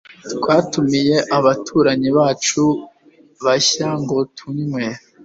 Twatumiye abaturanyi bacu bashya ngo tunywe.